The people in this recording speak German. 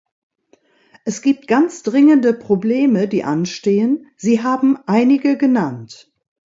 Es gibt ganz dringende Probleme, die anstehen, Sie haben einige genannt.